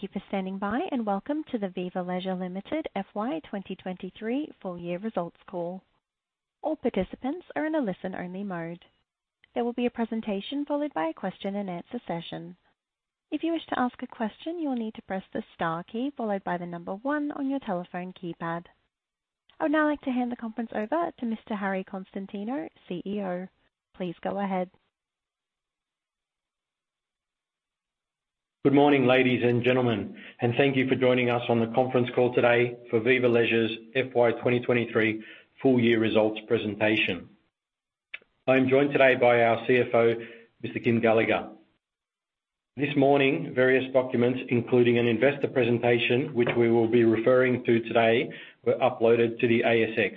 Thank you for standing by, welcome to the Viva Leisure Limited FY 2023 full year results call. All participants are in a listen-only mode. There will be a presentation followed by a question-and-answer session. If you wish to ask a question, you will need to press the star key followed by one on your telephone keypad. I would now like to hand the conference over to Mr. Harry Konstantinou, CEO. Please go ahead. Good morning, ladies and gentlemen, and thank you for joining us on the conference call today for Viva Leisure's FY 2023 full year results presentation. I'm joined today by our CFO, Mr. Kym Gallagher. This morning, various documents, including an investor presentation, which we will be referring to today, were uploaded to the ASX.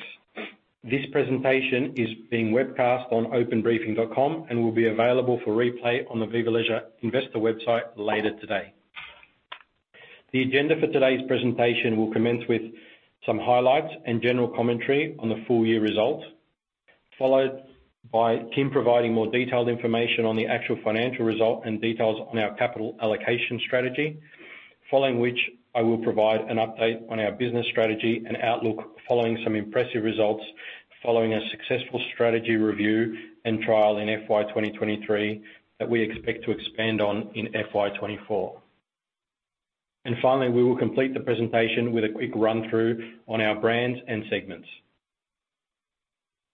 This presentation is being webcast on openbriefing.com and will be available for replay on the Viva Leisure investor website later today. The agenda for today's presentation will commence with some highlights and general commentary on the full-year results, followed by Kym providing more detailed information on the actual financial results and details on our capital allocation strategy. Following which, I will provide an update on our business strategy and outlook, following some impressive results, following a successful strategy review and trial in FY 2023 that we expect to expand on in FY 2024. Finally, we will complete the presentation with a quick run-through on our brands and segments.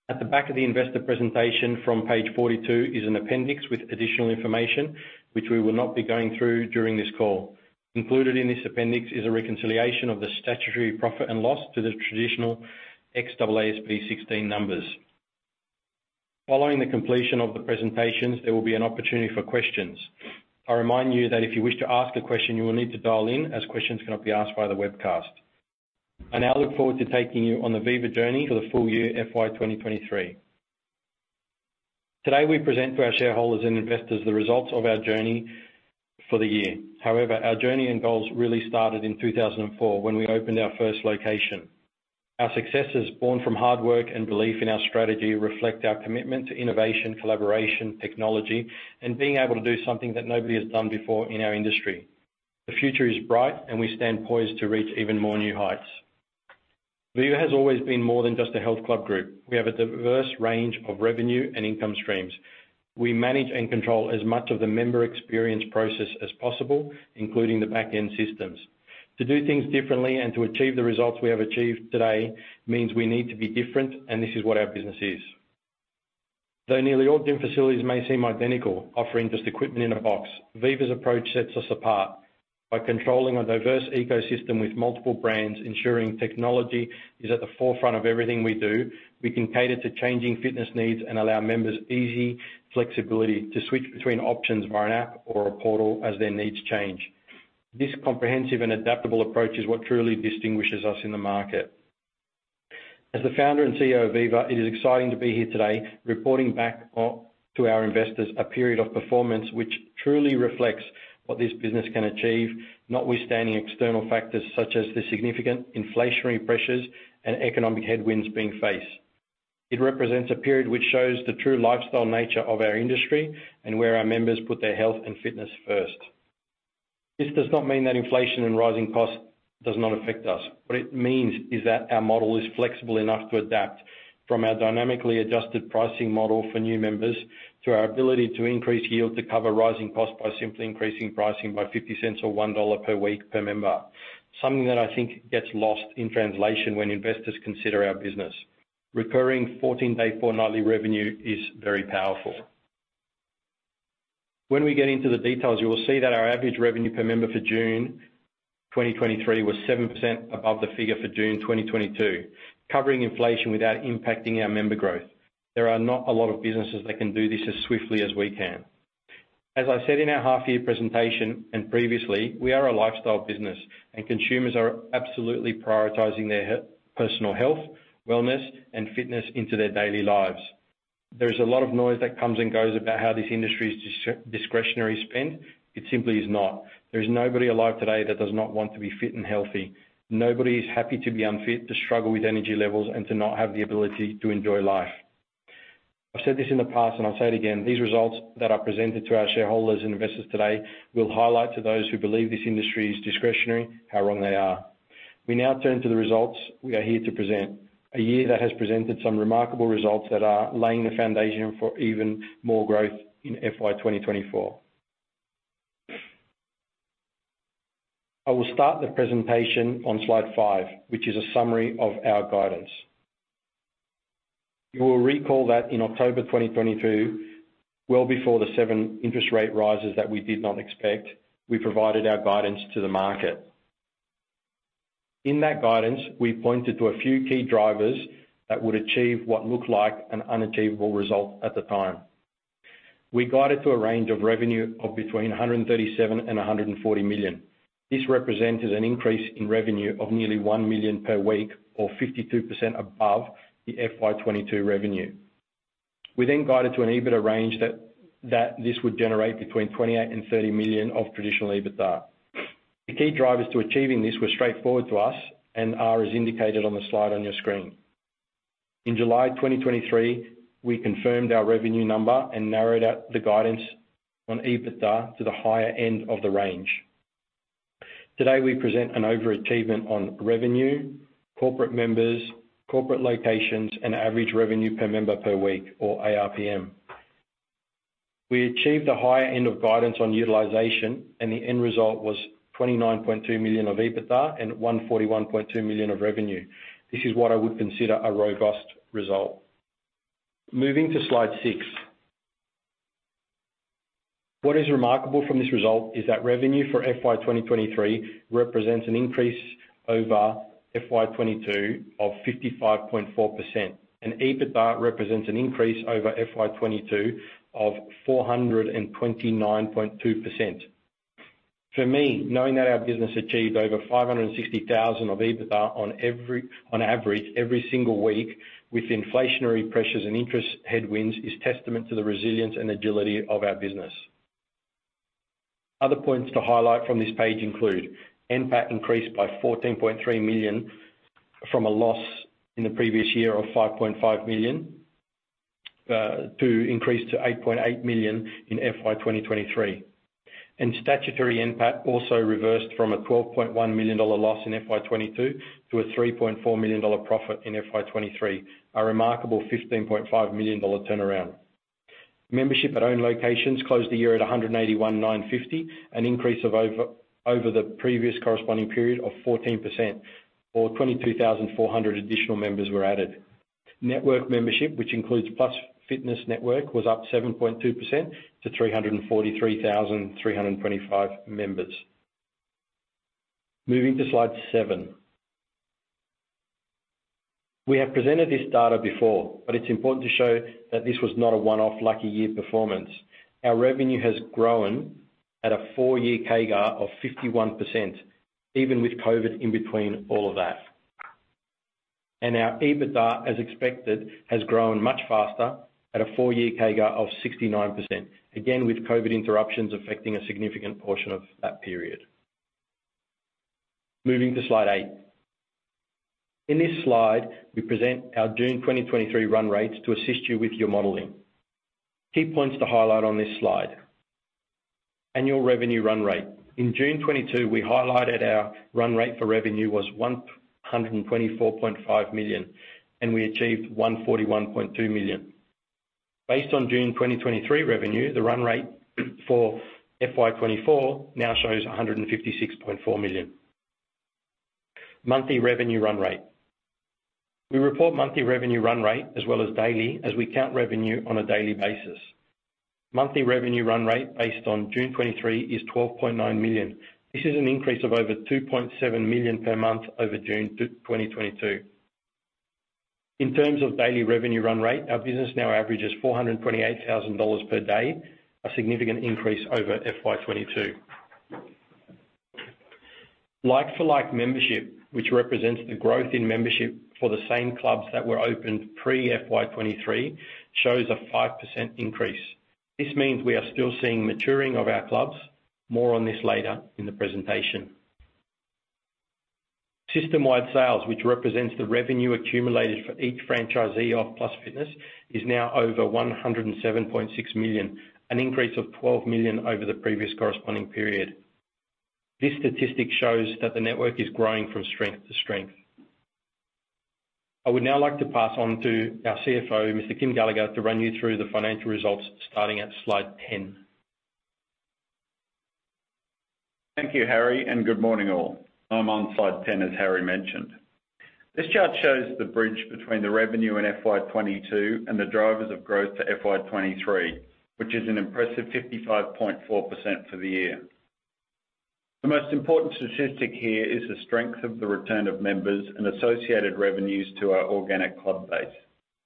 At the back of the investor presentation from page 42 is an appendix with additional information, which we will not be going through during this call. Included in this appendix is a reconciliation of the statutory profit and loss to the traditional ex AASB 16 numbers. Following the completion of the presentations, there will be an opportunity for questions. I remind you that if you wish to ask a question, you will need to dial in, as questions cannot be asked via the webcast. I now look forward to taking you on the Viva journey for the full year FY 2023. Today, we present to our shareholders and investors the results of our journey for the year. However, our journey and goals really started in 2004 when we opened our first location. Our successes, born from hard work and belief in our strategy, reflect our commitment to innovation, collaboration, technology, and being able to do something that nobody has done before in our industry. The future is bright, and we stand poised to reach even more new heights. Viva has always been more than just a health club group. We have a diverse range of revenue and income streams. We manage and control as much of the member experience process as possible, including the back-end systems. To do things differently and to achieve the results we have achieved today means we need to be different, and this is what our business is. Though nearly all gym facilities may seem identical, offering just equipment in a box, Viva's approach sets us apart. By controlling a diverse ecosystem with multiple brands, ensuring technology is at the forefront of everything we do, we can cater to changing fitness needs and allow members easy flexibility to switch between options via an app or a portal as their needs change. This comprehensive and adaptable approach is what truly distinguishes us in the market. As the founder and CEO of Viva, it is exciting to be here today, reporting back on to our investors a period of performance which truly reflects what this business can achieve, notwithstanding external factors such as the significant inflationary pressures and economic headwinds being faced. It represents a period which shows the true lifestyle nature of our industry and where our members put their health and fitness first. This does not mean that inflation and rising costs does not affect us. What it means is that our model is flexible enough to adapt from our dynamically adjusted pricing model for new members, to our ability to increase yield to cover rising costs by simply increasing pricing by 0.50 or 1.00 dollar per week per member. Something that I think gets lost in translation when investors consider our business. Recurring 14-day fortnightly revenue is very powerful. When we get into the details, you will see that our average revenue per member for June 2023 was 7% above the figure for June 2022, covering inflation without impacting our member growth. There are not a lot of businesses that can do this as swiftly as we can. As I said in our half-year presentation, and previously, we are a lifestyle business, and consumers are absolutely prioritizing their personal health, wellness, and fitness into their daily lives. There is a lot of noise that comes and goes about how this industry is discretionary spend. It simply is not. There is nobody alive today that does not want to be fit and healthy. Nobody is happy to be unfit, to struggle with energy levels, and to not have the ability to enjoy life. I've said this in the past, and I'll say it again, these results that are presented to our shareholders and investors today will highlight to those who believe this industry is discretionary, how wrong they are. We now turn to the results we are here to present, a year that has presented some remarkable results that are laying the foundation for even more growth in FY 2024. I will start the presentation on slide five, which is a summary of our guidance. You will recall that in October 2022, well before the seven interest rate rises that we did not expect, we provided our guidance to the market. In that guidance, we pointed to a few key drivers that would achieve what looked like an unachievable result at the time. We guided to a range of revenue of between 137 million and 140 million. This represented an increase in revenue of nearly 1 million per week or 52% above the FY 2022 revenue. We then guided to an EBITDA range that this would generate between 28 million and 30 million of traditional EBITDA. The key drivers to achieving this were straightforward to us and are as indicated on the slide on your screen.... In July 2023, we confirmed our revenue number and narrowed out the guidance on EBITDA to the higher end of the range. Today, we present an overachievement on revenue, corporate members, corporate locations, and average revenue per member per week, or ARPM. We achieved a higher end of guidance on utilization, and the end result was 29.2 million of EBITDA and 141.2 million of revenue. This is what I would consider a robust result. Moving to Slide six. What is remarkable from this result is that revenue for FY 2023 represents an increase over FY 2022 of 55.4%, and EBITDA represents an increase over FY 2022 of 429.2%. For me, knowing that our business achieved over 560,000 of EBITDA on average, every single week with inflationary pressures and interest headwinds, is testament to the resilience and agility of our business. Other points to highlight from this page include: NPAT increased by 14.3 million from a loss in the previous year of 5.5 million to increase to 8.8 million in FY 2023. Statutory NPAT also reversed from an 12.1 million dollar loss in FY 2022 to an 3.4 million dollar profit in FY 2023, a remarkable 15.5 million dollar turnaround. Membership at own locations closed the year at 181,950, an increase over the previous corresponding period of 14%, or 22,400 additional members were added. Network membership, which includes Plus Fitness Network, was up 7.2% to 343,325 members. Moving to Slide seven. We have presented this data before, it's important to show that this was not a one-off lucky year performance. Our revenue has grown at a four-year CAGR of 51%, even with COVID in between all of that. Our EBITDA, as expected, has grown much faster at a four-year CAGR of 69%, again, with COVID interruptions affecting a significant portion of that period. Moving to Slide 8. In this slide, we present our June 2023 run rates to assist you with your modeling. Key points to highlight on this slide. Annual revenue run rate. In June 2022, we highlighted our run rate for revenue was 124.5 million, and we achieved 141.2 million. Based on June 2023 revenue, the run rate for FY 2024 now shows 156.4 million. Monthly revenue run rate. We report monthly revenue run rate as well as daily, as we count revenue on a daily basis. Monthly revenue run rate based on June 2023 is 12.9 million. This is an increase of over 2.7 million per month over June 2022. In terms of daily revenue run rate, our business now averages 428,000 dollars per day, a significant increase over FY 2022. Like-for-like membership, which represents the growth in membership for the same clubs that were opened pre-FY 2023, shows a 5% increase. This means we are still seeing maturing of our clubs. More on this later in the presentation. System-wide sales, which represents the revenue accumulated for each franchisee of Plus Fitness, is now over 107.6 million, an increase of 12 million over the previous corresponding period. This statistic shows that the network is growing from strength to strength. I would now like to pass on to our CFO, Mr. Kym Gallagher, to run you through the financial results starting at Slide 10. Thank you, Harry, and good morning, all. I'm on Slide 10, as Harry mentioned. This chart shows the bridge between the revenue in FY 2022 and the drivers of growth to FY 2023, which is an impressive 55.4% for the year. The most important statistic here is the strength of the return of members and associated revenues to our organic club base,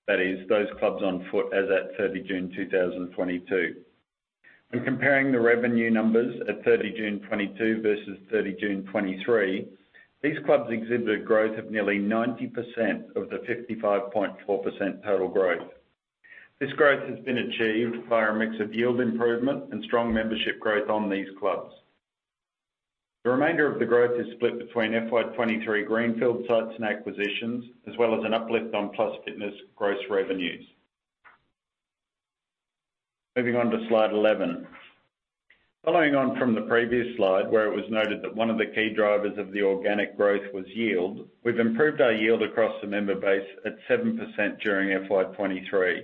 that is, those clubs on foot as at June 30, 2022. In comparing the revenue numbers at June 30, 2022 versus June 30, 2023, these clubs exhibit growth of nearly 90% of the 55.4% total growth. This growth has been achieved via a mix of yield improvement and strong membership growth on these clubs. The remainder of the growth is split between FY 2023 greenfield sites and acquisitions, as well as an uplift on Plus Fitness gross revenues. Moving on to Slide 11. Following on from the previous slide, where it was noted that one of the key drivers of the organic growth was yield, we've improved our yield across the member base at 7% during FY 2023.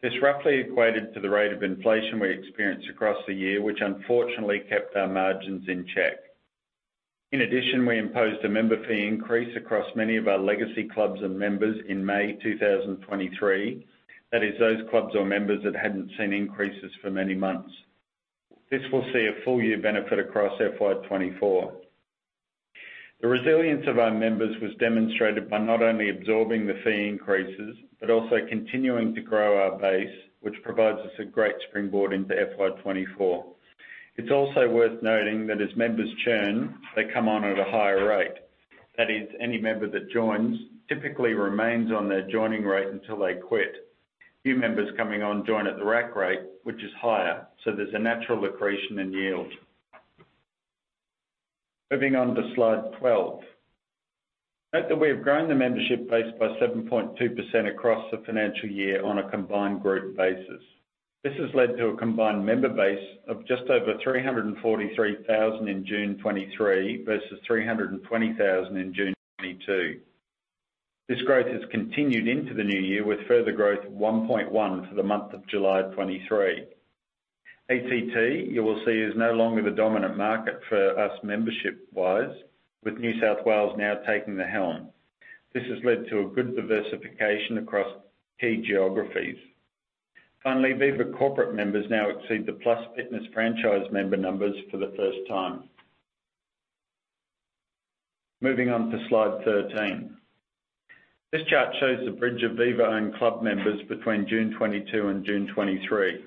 This roughly equated to the rate of inflation we experienced across the year, which unfortunately kept our margins in check. In addition, we imposed a member fee increase across many of our legacy clubs and members in May 2023, that is, those clubs or members that hadn't seen increases for many months. This will see a full year benefit across FY 2024. The resilience of our members was demonstrated by not only absorbing the fee increases, but also continuing to grow our base, which provides us a great springboard into FY 2024. It's also worth noting that as members churn, they come on at a higher rate. That is, any member that joins typically remains on their joining rate until they quit. New members coming on join at the rack rate, which is higher, so there's a natural accretion in yield.... Moving on to slide 12. Note that we have grown the membership base by 7.2% across the financial year on a combined group basis. This has led to a combined member base of just over 343,000 in June 2023, versus 320,000 in June 2022. This growth has continued into the new year, with further growth of 1.1 for the month of July 2023. ACT, you will see, is no longer the dominant market for us membership-wise, with New South Wales now taking the helm. This has led to a good diversification across key geographies. Finally, Viva corporate members now exceed the Plus Fitness franchise member numbers for the first time. Moving on to slide 13. This chart shows the bridge of Viva-owned club members between June 2022 and June 2023.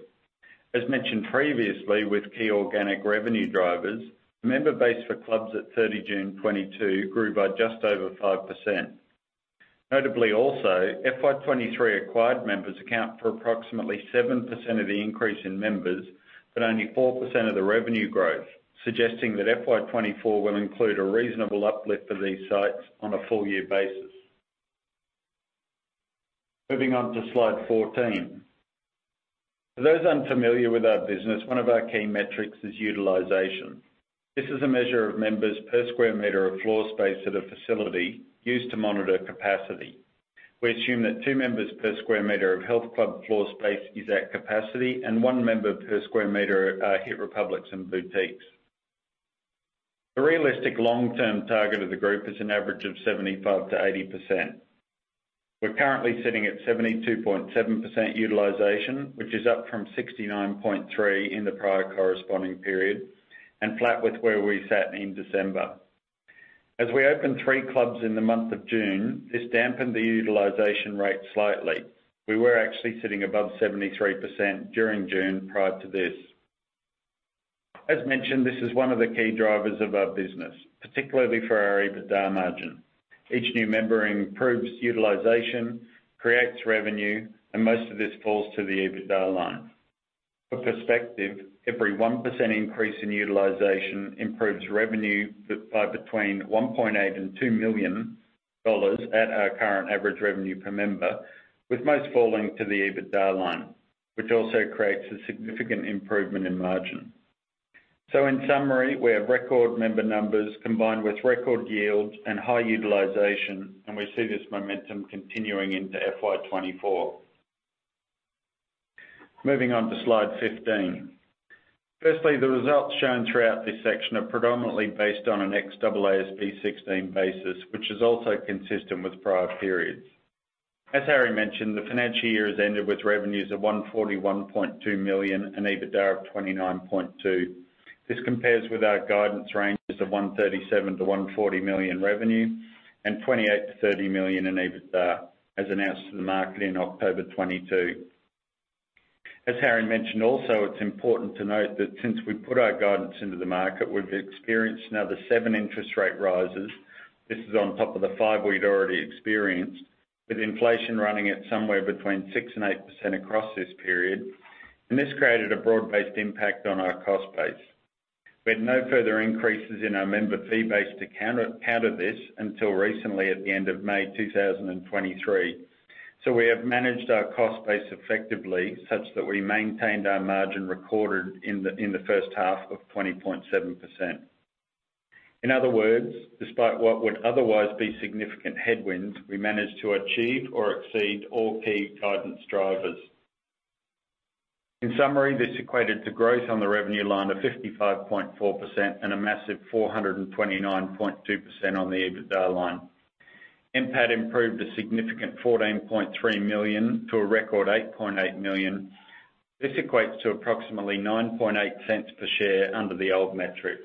As mentioned previously, with key organic revenue drivers, the member base for clubs at June 30, 2022 grew by just over 5%. Notably also, FY 2023 acquired members account for approximately 7% of the increase in members, but only 4% of the revenue growth, suggesting that FY 2024 will include a reasonable uplift for these sites on a full year basis. Moving on to slide 14. For those unfamiliar with our business, one of our key metrics is utilization. This is a measure of members per square meter of floor space at a facility used to monitor capacity. We assume that two members per square meter of health club floor space is at capacity, and one member per square meter are, HIIT Republics and boutiques. The realistic long-term target of the group is an average of 75%-80%. We're currently sitting at 72.7% utilization, which is up from 69.3 in the prior corresponding period, and flat with where we sat in December. As we opened three clubs in the month of June, this dampened the utilization rate slightly. We were actually sitting above 73% during June, prior to this. As mentioned, this is one of the key drivers of our business, particularly for our EBITDA margin. Each new member improves utilization, creates revenue, most of this falls to the EBITDA line. For perspective, every 1% increase in utilization improves revenue by between 1.8 million and 2 million dollars at our current average revenue per member, with most falling to the EBITDA line, which also creates a significant improvement in margin. In summary, we have record member numbers combined with record yields and high utilization, we see this momentum continuing into FY 2024. Moving on to slide 15. Firstly, the results shown throughout this section are predominantly based on an ex AASB 16 basis, which is also consistent with prior periods. As Harry mentioned, the financial year has ended with revenues of 141.2 million and EBITDA of 29.2 million. This compares with our guidance ranges of 137 million-140 million revenue and 28 million-30 million in EBITDA, as announced to the market in October 2022. As Harry mentioned, also, it's important to note that since we put our guidance into the market, we've experienced another seven interest rate rises. This is on top of the five we'd already experienced, with inflation running at somewhere between 6%-8% across this period, this created a broad-based impact on our cost base. We had no further increases in our member fee base to counter, counter this until recently, at the end of May 2023. We have managed our cost base effectively, such that we maintained our margin recorded in the, in the first half of 20.7%. In other words, despite what would otherwise be significant headwinds, we managed to achieve or exceed all key guidance drivers. In summary, this equated to growth on the revenue line of 55.4% and a massive 429.2% on the EBITDA line. NPAT improved a significant 14.3 million to a record 8.8 million. This equates to approximately 0.098 per share under the old metrics.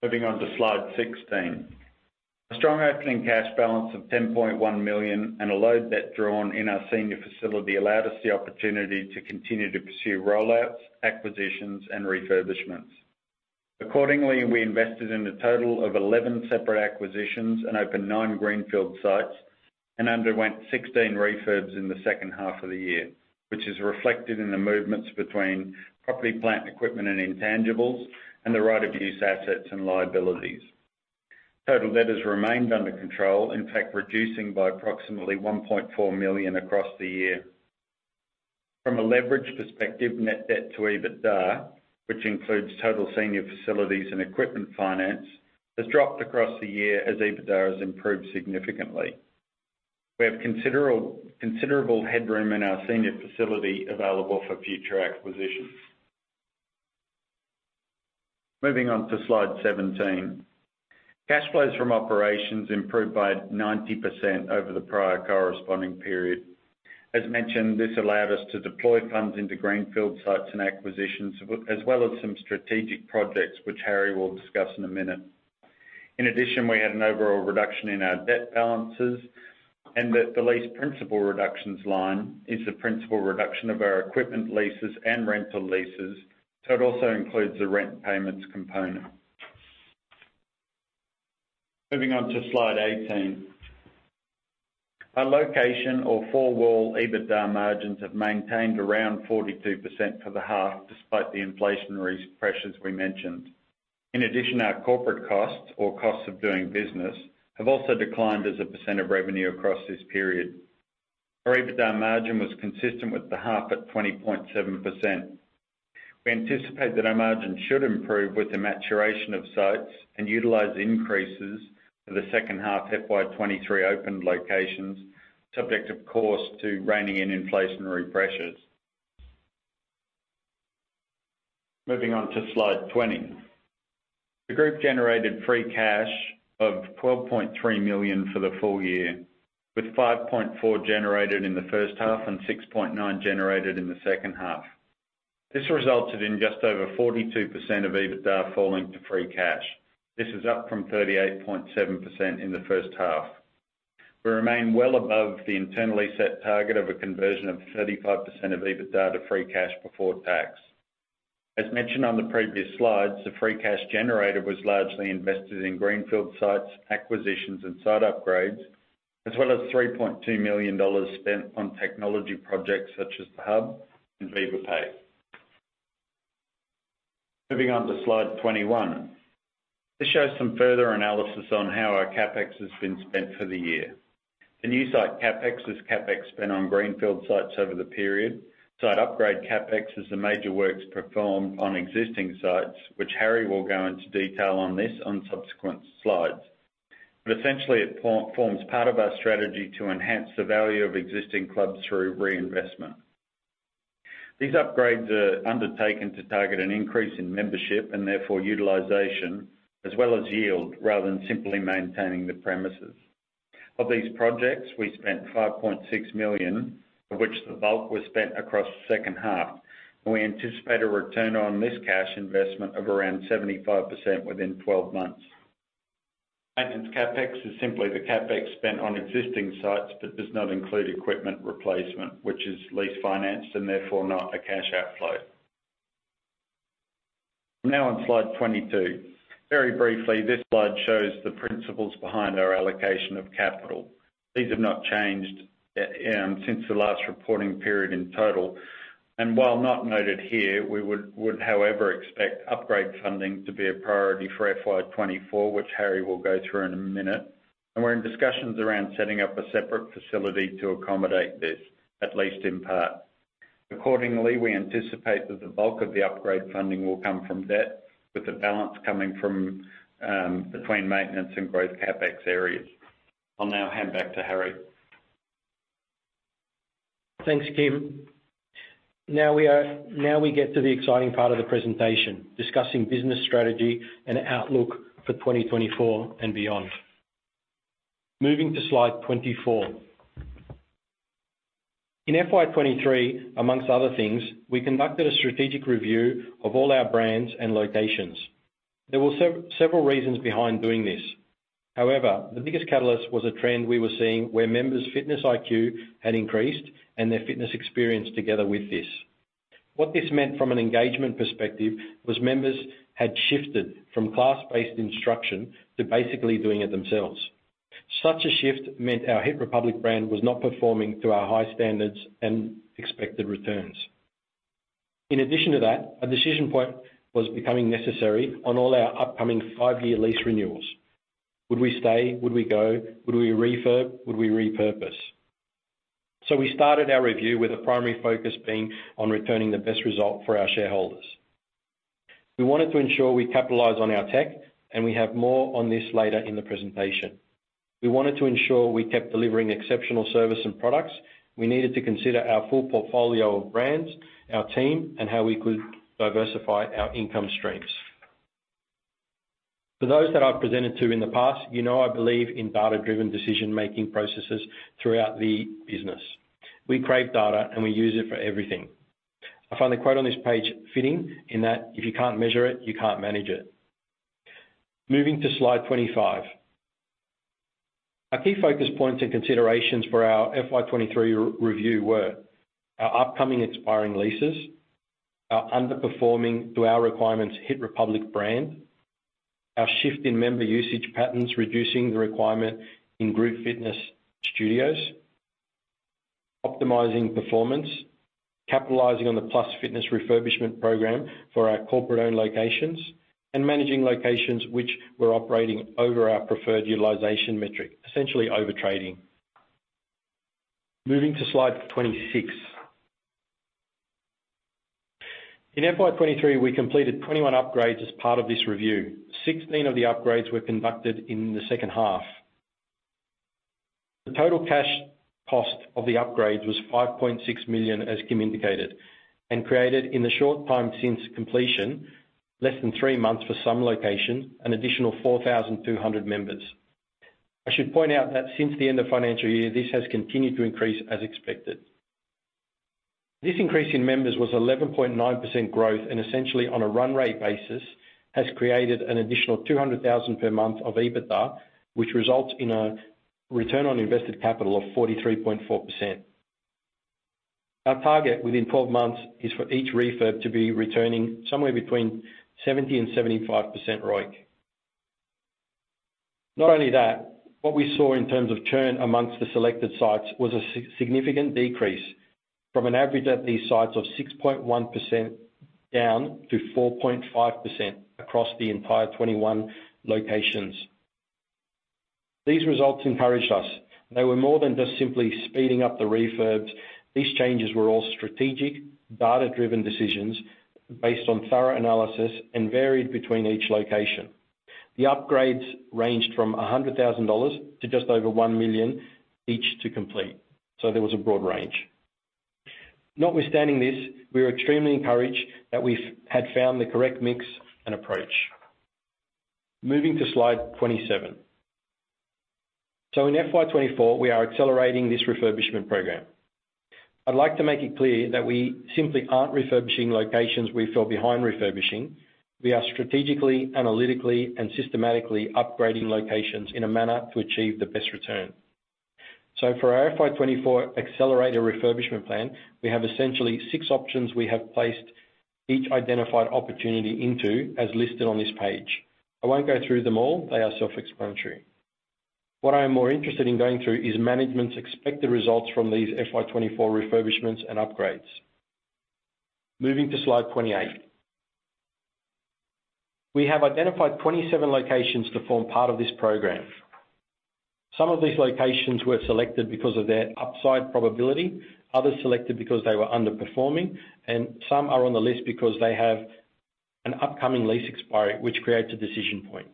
Moving on to slide 16. A strong opening cash balance of 10.1 million and a loan debt drawn in our senior facility allowed us the opportunity to continue to pursue rollouts, acquisitions, and refurbishments. Accordingly, we invested in a total of 11 separate acquisitions and opened nine greenfield sites, and underwent 16 refurbs in the second half of the year, which is reflected in the movements between property, plant equipment and intangibles, and the right-of-use assets and liabilities. Total debt has remained under control, in fact, reducing by approximately 1.4 million across the year. From a leverage perspective, net debt to EBITDA, which includes total senior facilities and equipment finance, has dropped across the year as EBITDA has improved significantly. We have considerable, considerable headroom in our senior facility available for future acquisitions. Moving on to Slide 17. Cash flows from operations improved by 90% over the prior corresponding period. As mentioned, this allowed us to deploy funds into greenfield sites and acquisitions, as well as some strategic projects, which Harry will discuss in a minute. In addition, we had an overall reduction in our debt balances, that the lease principal reductions line is the principal reduction of our equipment leases and rental leases, so it also includes the rent payments component. Moving on to slide 18. Our location or four-wall EBITDA margins have maintained around 42% for the half, despite the inflationary pressures we mentioned. In addition, our corporate costs or costs of doing business, have also declined as a % of revenue across this period. Our EBITDA margin was consistent with the half at 20.7%. We anticipate that our margins should improve with the maturation of sites and utilize increases for the second half FY 2023 open locations, subject of course, to reining in inflationary pressures. Moving on to slide 20. The group generated free cash of 12.3 million for the full year, with 5.4 million generated in the first half and 6.9 million generated in the second half. This resulted in just over 42% of EBITDA falling to free cash. This is up from 38.7% in the first half. We remain well above the internally set target of a conversion of 35% of EBITDA to free cash before tax. As mentioned on the previous slides, the free cash generator was largely invested in greenfield sites, acquisitions, and site upgrades, as well as 3.2 million dollars spent on technology projects such as the Hub and Viva Pay. Moving on to slide 21. This shows some further analysis on how our CapEx has been spent for the year. The new site CapEx is CapEx spent on greenfield sites over the period. Site upgrade CapEx is the major works performed on existing sites, which Harry will go into detail on this on subsequent slides. Essentially, it forms part of our strategy to enhance the value of existing clubs through reinvestment. These upgrades are undertaken to target an increase in membership and therefore utilization, as well as yield, rather than simply maintaining the premises. Of these projects, we spent 5.6 million, of which the bulk was spent across the second half. We anticipate a return on this cash investment of around 75% within 12 months. Maintenance CapEx is simply the CapEx spent on existing sites, does not include equipment replacement, which is lease financed and therefore not a cash outflow. On slide 22. Very briefly, this slide shows the principles behind our allocation of capital. These have not changed since the last reporting period in total, while not noted here, we would, would, however, expect upgrade funding to be a priority for FY 2024, which Harry will go through in a minute. We're in discussions around setting up a separate facility to accommodate this, at least in part. Accordingly, we anticipate that the bulk of the upgrade funding will come from debt, with the balance coming from between maintenance and growth CapEx areas. I'll now hand back to Harry. Thanks, Kym. Now we get to the exciting part of the presentation, discussing business strategy and outlook for 2024 and beyond. Moving to slide 24. In FY 23, amongst other things, we conducted a strategic review of all our brands and locations. There were several reasons behind doing this. However, the biggest catalyst was a trend we were seeing where members' fitness IQ had increased and their fitness experience together with this. What this meant from an engagement perspective, was members had shifted from class-based instruction to basically doing it themselves. Such a shift meant our HIIT Republic brand was not performing to our high standards and expected returns. In addition to that, a decision point was becoming necessary on all our upcoming 5-year lease renewals. Would we stay? Would we go? Would we refurb? Would we repurpose? We started our review with a primary focus being on returning the best result for our shareholders. We wanted to ensure we capitalize on our tech, and we have more on this later in the presentation. We wanted to ensure we kept delivering exceptional service and products. We needed to consider our full portfolio of brands, our team, and how we could diversify our income streams. For those that I've presented to in the past, you know I believe in data-driven decision-making processes throughout the business. We crave data, and we use it for everything. I find the quote on this page fitting, in that, "If you can't measure it, you can't manage it." Moving to slide 25. Our key focus points and considerations for our FY 2023 review were: our upcoming expiring leases, our underperforming to our requirements HIIT Republic brand, our shift in member usage patterns, reducing the requirement in Group Fitness studios, optimizing performance, capitalizing on the Plus Fitness refurbishment program for our corporate-owned locations, and managing locations which were operating over our preferred utilization metric, essentially overtrading. Moving to slide 26. In FY 2023, we completed 21 upgrades as part of this review. 16 of the upgrades were conducted in the second half. The total cash cost of the upgrades was 5.6 million, as Kym indicated, and created, in the short time since completion, less than three months for some locations, an additional 4,200 members. I should point out that since the end of financial year, this has continued to increase as expected. This increase in members was 11.9% growth. Essentially on a run rate basis, has created an additional 200,000 per month of EBITDA, which results in a return on invested capital of 43.4%. Our target within 12 months is for each refurb to be returning somewhere between 70%-75% ROIC. What we saw in terms of churn amongst the selected sites was a significant decrease from an average at these sites of 6.1% down to 4.5% across the entire 21 locations. These results encouraged us. They were more than just simply speeding up the refurbs. These changes were all strategic, data-driven decisions based on thorough analysis and varied between each location. The upgrades ranged from 100,000 dollars to just over 1 million each to complete. There was a broad range. Notwithstanding this, we are extremely encouraged that we've had found the correct mix and approach. Moving to slide 27. In FY 2024, we are accelerating this refurbishment program. I'd like to make it clear that we simply aren't refurbishing locations we fell behind refurbishing. We are strategically, analytically, and systematically upgrading locations in a manner to achieve the best return. For our FY 2024 accelerator refurbishment plan, we have essentially six options we have placed each identified opportunity into, as listed on this page. I won't go through them all. They are self-explanatory. What I am more interested in going through is management's expected results from these FY 2024 refurbishments and upgrades. Moving to slide 28. We have identified 27 locations to form part of this program. Some of these locations were selected because of their upside probability, others selected because they were underperforming, and some are on the list because they have an upcoming lease expiry, which creates a decision point.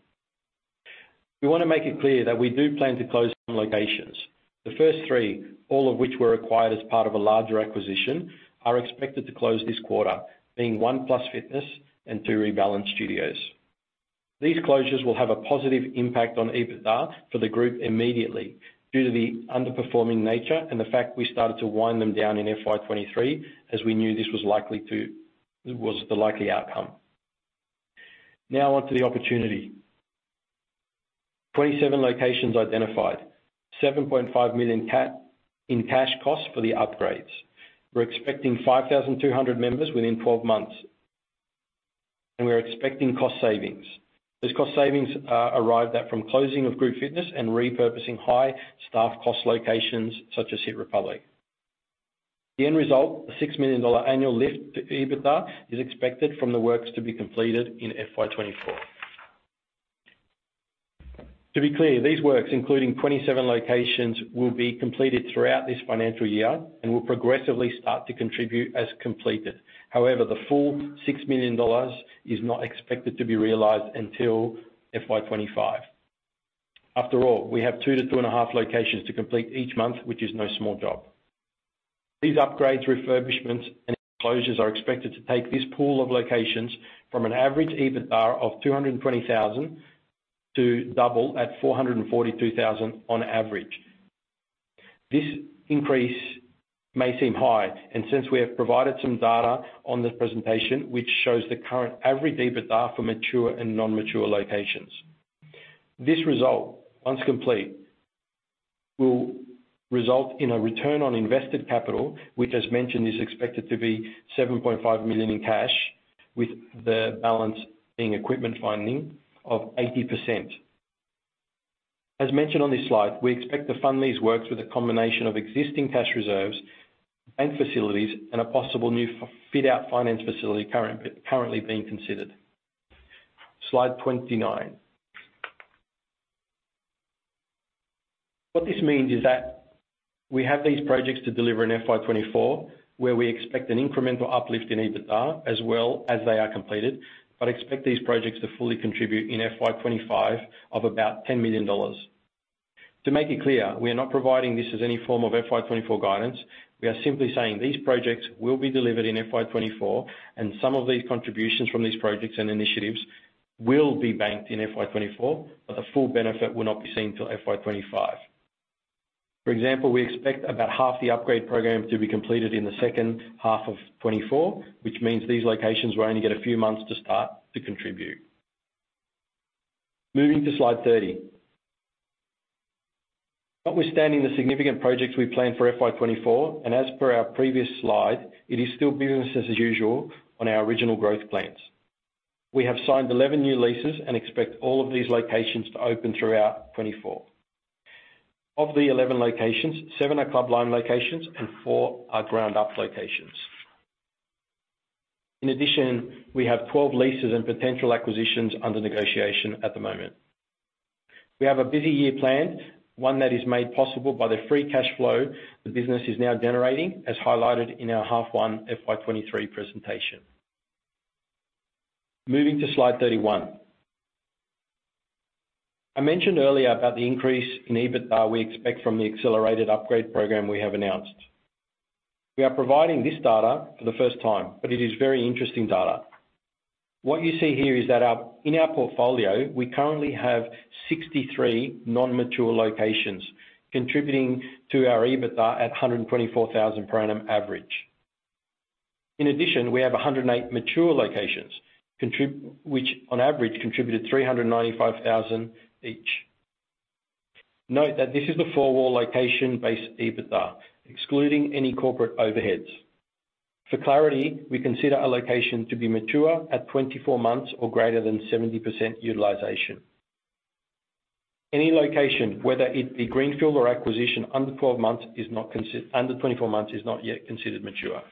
We want to make it clear that we do plan to close some locations. The first three, all of which were acquired as part of a larger acquisition, are expected to close this quarter, being one Plus Fitness and two Rebalance studios. These closures will have a positive impact on EBITDA for the group immediately due to the underperforming nature and the fact we started to wind them down in FY23, as we knew this was likely to-- it was the likely outcome. Now, on to the opportunity. 27 locations identified, 7.5 million in cash costs for the upgrades. We're expecting 5,200 members within 12 months, and we are expecting cost savings. These cost savings arrive that from closing of Group Fitness and repurposing high staff cost locations such as HIIT Republic. The end result, an 6 million dollar annual lift to EBITDA, is expected from the works to be completed in FY 2024. To be clear, these works, including 27 locations, will be completed throughout this financial year and will progressively start to contribute as completed. However, the full 6 million dollars is not expected to be realized until FY 2025. After all, we have two to 2.5 locations to complete each month, which is no small job. These upgrades, refurbishments, and closures are expected to take this pool of locations from an average EBITDA of 220,000 to double, at 442,000 on average. This increase may seem high. Since we have provided some data on this presentation, which shows the current average EBITDA for mature and non-mature locations. This result, once complete, will result in a return on invested capital, which, as mentioned, is expected to be 7.5 million in cash, with the balance being equipment funding of 80%. As mentioned on this slide, we expect to fund these works with a combination of existing cash reserves, bank facilities, and a possible new fit-out finance facility currently being considered. Slide 29. What this means is that we have these projects to deliver in FY 2024, where we expect an incremental uplift in EBITDA as well as they are completed, but expect these projects to fully contribute in FY 2025 of about 10 million dollars. To make it clear, we are not providing this as any form of FY 2024 guidance. We are simply saying these projects will be delivered in FY 2024, and some of these contributions from these projects and initiatives will be banked in FY 2024, but the full benefit will not be seen till FY 2025. For example, we expect about half the upgrade program to be completed in the second half of 2024, which means these locations will only get a few months to start to contribute. Moving to slide 30. Notwithstanding the significant projects we plan for FY 2024, and as per our previous slide, it is still business as usual on our original growth plans. We have signed 11 new leases and expect all of these locations to open throughout 2024. Of the 11 locations, seven are Club Lime locations and four GroundUp locations. In addition, we have 12 leases and potential acquisitions under negotiation at the moment. We have a busy year planned, one that is made possible by the free cash flow the business is now generating, as highlighted in our H1 FY 2023 presentation. Moving to slide 31. I mentioned earlier about the increase in EBITDA we expect from the accelerated upgrade program we have announced. We are providing this data for the first time. It is very interesting data. What you see here is that in our portfolio, we currently have 63 non-mature locations contributing to our EBITDA at 124,000 per annum average. In addition, we have 108 mature locations, which on average contributed 395,000 each. Note that this is the four-wall location-based EBITDA, excluding any corporate overheads. For clarity, we consider a location to be mature at 24 months or greater than 70% utilization. Any location, whether it be greenfield or acquisition, under 12 months, is not consider-- under 24 months, is not yet considered mature.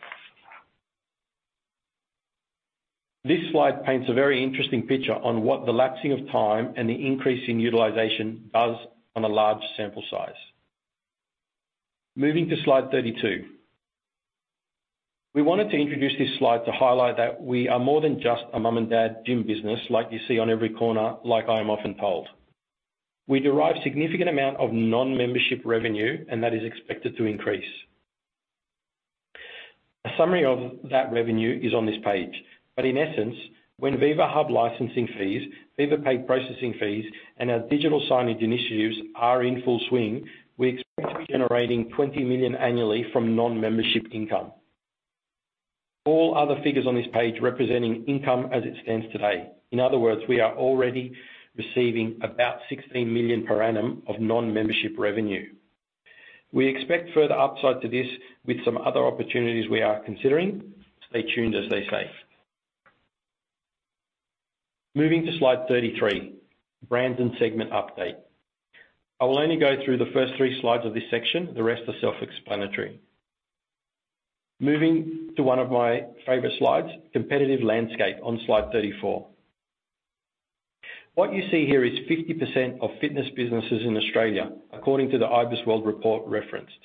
This slide paints a very interesting picture on what the lapsing of time and the increase in utilization does on a large sample size. Moving to slide 32. We wanted to introduce this slide to highlight that we are more than just a mom-and-dad gym business like you see on every corner, like I am often told. We derive significant amount of non-membership revenue, and that is expected to increase. A summary of that revenue is on this page. In essence, when Viva Hub licensing fees, Viva Pay processing fees, and our digital signage initiatives are in full swing, we expect to be generating 20 million annually from non-membership income. All other figures on this page representing income as it stands today. In other words, we are already receiving about 16 million per annum of non-membership revenue. We expect further upside to this with some other opportunities we are considering. Stay tuned, as they say. Moving to slide 33, brands and segment update. I will only go through the first three slides of this section. The rest are self-explanatory. Moving to one of my favorite slides, competitive landscape on slide 34. What you see here is 50% of fitness businesses in Australia, according to the IBISWorld report referenced.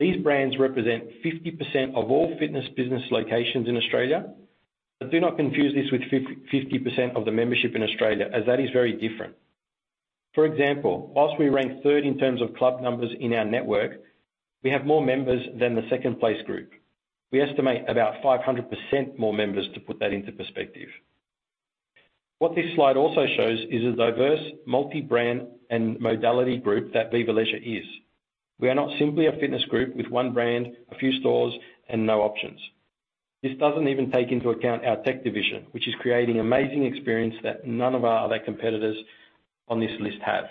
These brands represent 50% of all fitness business locations in Australia. Do not confuse this with 50% of the membership in Australia, as that is very different. For example, whilst we rank 3rd in terms of club numbers in our network, we have more members than the 2nd-place group. We estimate about 500% more members, to put that into perspective. What this slide also shows is a diverse multi-brand and modality group that Viva Leisure is. We are not simply a fitness group with one brand, a few stores, and no options. This doesn't even take into account our tech division, which is creating amazing experience that none of our other competitors on this list have.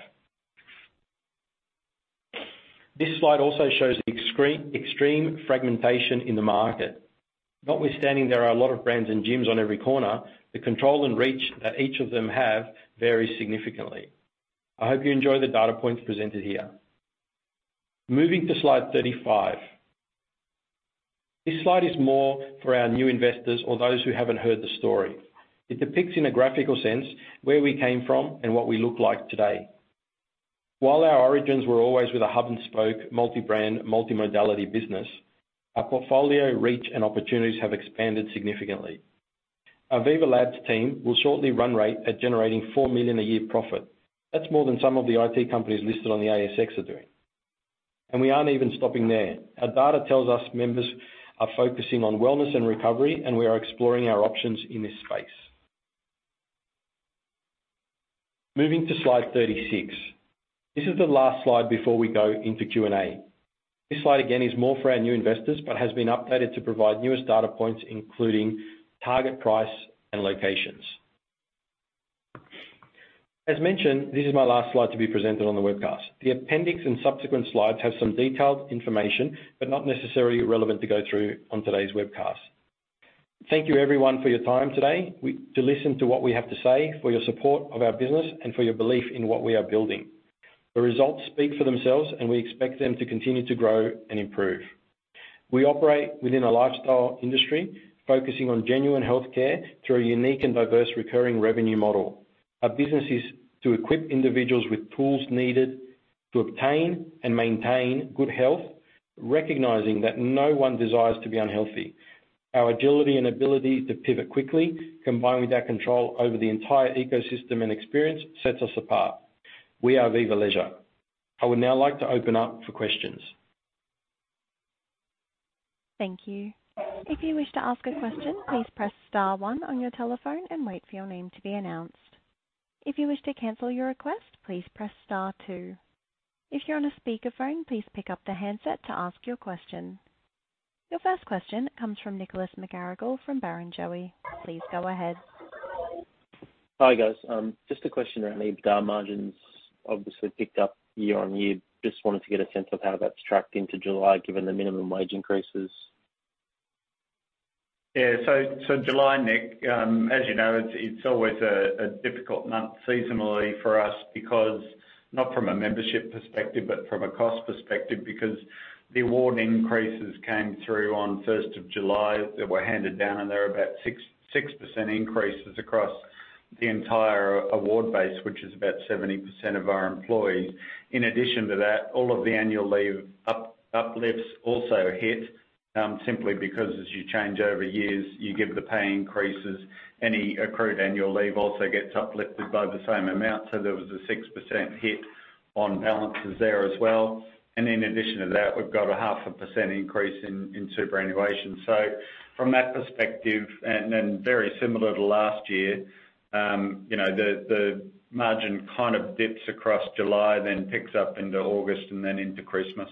This slide also shows extreme, extreme fragmentation in the market. Notwithstanding, there are a lot of brands and gyms on every corner, the control and reach that each of them have varies significantly. I hope you enjoy the data points presented here. Moving to slide 35. This slide is more for our new investors or those who haven't heard the story. It depicts, in a graphical sense, where we came from and what we look like today. While our origins were always with a hub and spoke, multi-brand, multi-modality business, our portfolio reach and opportunities have expanded significantly. Our Viva Labs team will shortly run rate at generating 4 million a year profit. That's more than some of the IT companies listed on the ASX are doing. We aren't even stopping there. Our data tells us members are focusing on wellness and recovery. We are exploring our options in this space. Moving to slide 36. This is the last slide before we go into Q&A. This slide, again, is more for our new investors, but has been updated to provide newest data points, including target price and locations. As mentioned, this is my last slide to be presented on the webcast. The appendix and subsequent slides have some detailed information, but not necessarily relevant to go through on today's webcast. Thank you everyone for your time today, to listen to what we have to say, for your support of our business, and for your belief in what we are building. The results speak for themselves, and we expect them to continue to grow and improve. We operate within a lifestyle industry, focusing on genuine healthcare through a unique and diverse recurring revenue model. Our business is to equip individuals with tools needed to obtain and maintain good health, recognizing that no one desires to be unhealthy. Our agility and ability to pivot quickly, combined with our control over the entire ecosystem and experience, sets us apart. We are Viva Leisure. I would now like to open up for questions. Thank you. If you wish to ask a question, please press star one on your telephone and wait for your name to be announced. If you wish to cancel your request, please press star two. If you're on a speakerphone, please pick up the handset to ask your question. Your first question comes from Nicholas McGarrigle from Barrenjoey. Please go ahead. Hi, guys. Just a question around the EBITDA margins, obviously picked up year-over-year. Just wanted to get a sense of how that's tracked into July, given the minimum wage increases. Yeah. July, Nick, as you know, it's, it's always a difficult month seasonally for us, because not from a membership perspective, but from a cost perspective, because the award increases came through on 1st of July. They were handed down, they're about 6%, 6% increases across the entire award base, which is about 70% of our employees. In addition to that, all of the annual leave uplifts also hit, simply because as you change over years, you give the pay increases. Any accrued annual leave also gets uplifted by the same amount, so there was a 6% hit on balances there as well. In addition to that, we've got a 0.5% increase in, in superannuation. From that perspective, and very similar to last year, you know, the, the margin kind of dips across July, then picks up into August, and then into Christmas.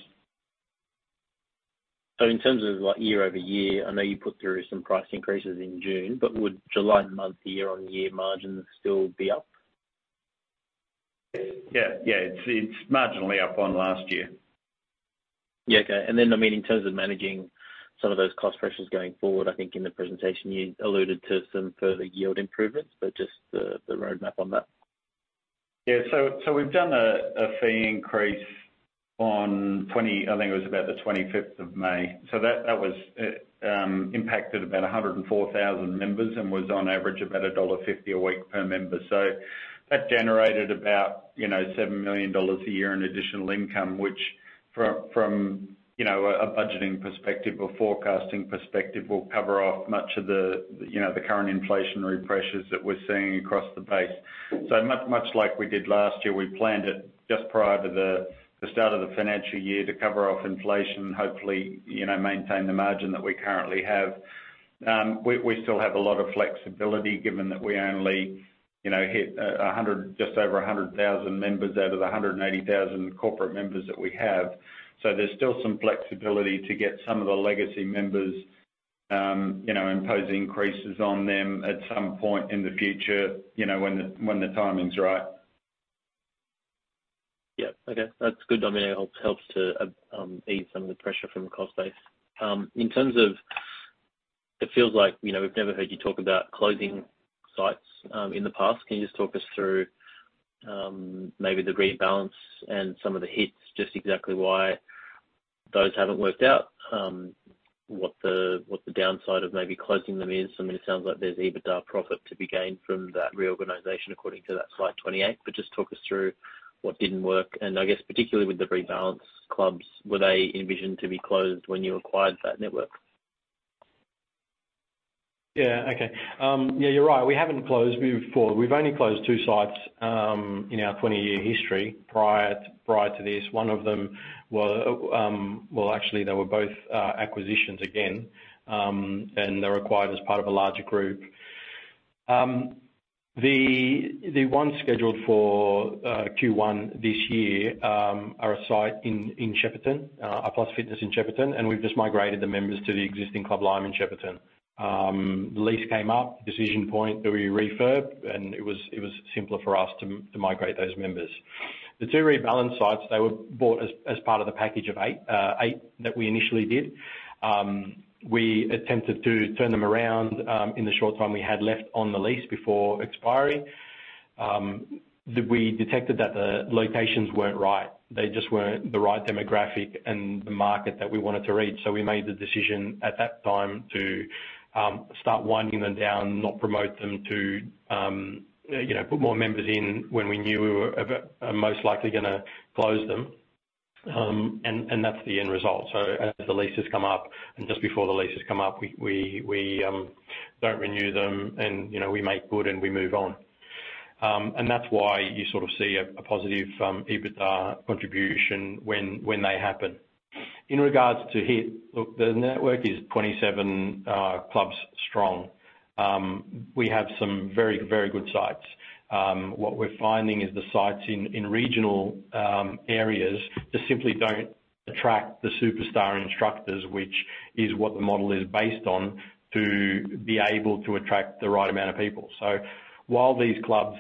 In terms of like year-over-year, I know you put through some price increases in June, but would July month, year-on-year margin still be up? Yeah, yeah. It's, it's marginally up on last year. Yeah, okay. Then, I mean, in terms of managing some of those cost pressures going forward, I think in the presentation you alluded to some further yield improvements, but just the, the roadmap on that. We've done a fee increase on I think it was about the 25th of May. That, that was impacted about 104,000 members and was on average, about dollar 1.50 a week per member. That generated about, you know, 7 million dollars a year in additional income, which from, from, you know, a budgeting perspective or forecasting perspective, will cover off much of the, you know, the current inflationary pressures that we're seeing across the base. Much, much like we did last year, we planned it just prior to the start of the financial year to cover off inflation and hopefully, you know, maintain the margin that we currently have. We, we still have a lot of flexibility given that we only, you know, hit 100, just over 100,000 members out of the 180,000 corporate members that we have. There's still some flexibility to get some of the legacy members, you know, impose increases on them at some point in the future, you know, when the, when the timing's right. Yeah. Okay. That's good. I mean, it helps, helps to ease some of the pressure from the cost base. In terms of... It feels like, you know, we've never heard you talk about closing sites in the past. Can you just talk us through maybe the Rebalance and some of the hits, just exactly why those haven't worked out? What the, what the downside of maybe closing them is? I mean, it sounds like there's EBITDA profit to be gained from that reorganization, according to that slide 28. Just talk us through what didn't work, and I guess particularly with the Rebalance clubs, were they envisioned to be closed when you acquired that network? Yeah. Okay. Yeah, you're right. We haven't closed before. We've only closed two sites in our 20-year history prior to, prior to this. One of them was, well, actually, they were both acquisitions again, and they were acquired as part of a larger group. The, the one scheduled for Q1 this year, are a site in, in Shepparton, a Plus Fitness in Shepparton, and we've just migrated the members to the existing Club Lime in Shepparton. The lease came up, decision point, do we refurb? And it was, it was simpler for us to, to migrate those members. The two Rebalance sites, they were bought as, as part of the package of eigth, eight that we initially did. We attempted to turn them around in the short time we had left on the lease before expiry. We detected that the locations weren't right. They just weren't the right demographic and the market that we wanted to reach. We made the decision at that time to start winding them down, not promote them to, you know, put more members in when we knew we were most likely gonna close them. That's the end result. As the leases come up and just before the leases come up, we, we, we don't renew them, and, you know, we make good and we move on. That's why you sort of see a positive EBITDA contribution when they happen. In regards to HIIT, look, the network is 27 clubs strong. We have some very, very good sites. What we're finding is the sites in, in regional areas just simply don't attract the superstar instructors, which is what the model is based on, to be able to attract the right amount of people. While these clubs